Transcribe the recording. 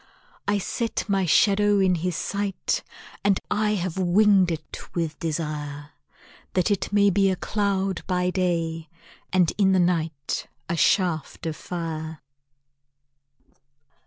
I set my shadow in his sight And I have winged it with desire, That it may be a cloud by day, And in the night a shaft of fire.